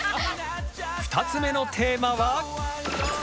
２つ目のテーマは。